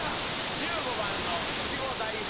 １５番のいちご大福